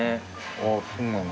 ああそうなの？